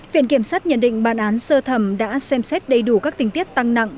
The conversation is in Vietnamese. viện kiểm sát nhận định bản án sơ thẩm đã xem xét đầy đủ các tình tiết tăng nặng